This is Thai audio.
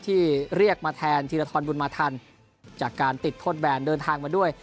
ที่เรียกมาแทนธีรทรบุญมาทันจากการติดโทษแบนเดินทางมาด้วย